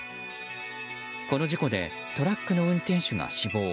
この事故でトラックの運転手が死亡。